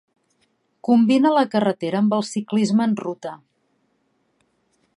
Combina la carretera amb el ciclisme en ruta.